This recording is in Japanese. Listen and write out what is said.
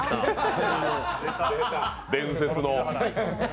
伝説の。